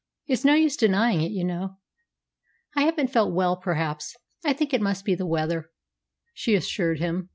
It's no use denying it, you know." "I haven't felt well, perhaps. I think it must be the weather," she assured him.